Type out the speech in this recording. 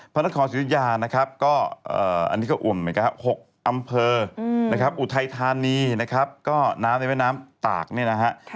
พระนครศิริยานะครับก็อันนี้ก็อ่วมเหมือนกันครับ๖อำเภอนะครับอุทัยธานีนะครับก็น้ำในแม่น้ำตากเนี่ยนะฮะ